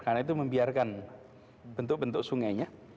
karena itu membiarkan bentuk bentuk sungainya